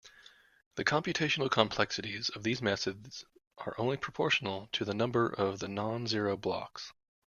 The computational complexities of these methods are only proportional to the number of non-zero blocks.